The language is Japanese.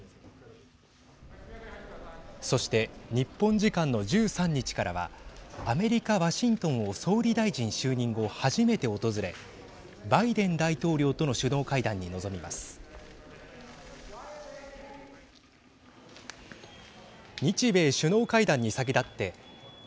そして、日本時間の１３日からはアメリカ、ワシントンを総理大臣就任後、初めて訪れバイデン大統領との首脳会談に臨みます。